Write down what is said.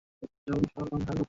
আমাকে শাহাদাত দান করুন।